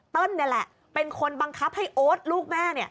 นี่แหละเป็นคนบังคับให้โอ๊ตลูกแม่